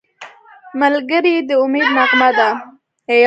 ملګری د امید نغمه ده